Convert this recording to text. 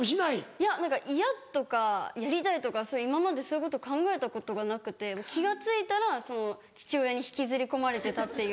いや嫌とかやりたいとか今までそういうこと考えたことがなくて気が付いたら父親に引きずり込まれてたっていう。